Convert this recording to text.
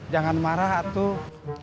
jangan marah atuh